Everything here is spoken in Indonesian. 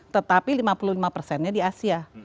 tetapi lima puluh lima persennya di asia